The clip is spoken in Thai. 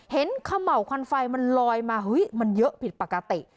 เขม่าวควันไฟมันลอยมาเฮ้ยมันเยอะผิดปกติ